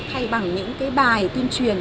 thay bằng những bài tuyên truyền